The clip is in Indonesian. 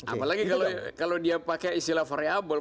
apalagi kalau dia pakai istilah variable